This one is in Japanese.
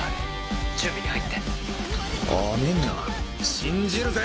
棔信じるぜ！